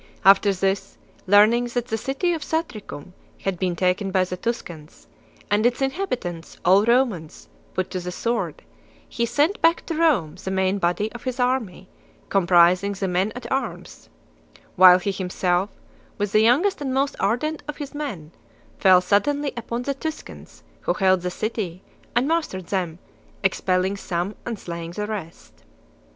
After this, learning that the city of Satricum had been taken by the Tuscans, and its inhabitants, all Romans, put to the sword, he sent back to Rome the main body of his army, comprising the men at arms, while he himself, with the youngest and most ardent of his men, fell suddenly upon the Tuscans who held the city and mastered them, ex pelling some and slaying the rest.